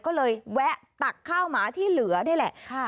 ก็เลยแวะตักข้าวหมาที่เหลือนี่แหละ